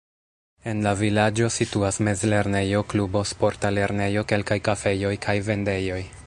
En la vilaĝo situas mezlernejo, klubo, sporta lernejo, kelkaj kafejoj kaj vendejoj.